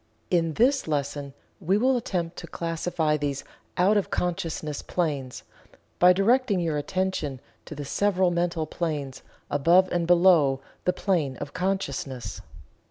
In this lesson we will attempt to classify these out of consciousness planes, by directing your attention to the several mental planes above and below the plane of consciousness.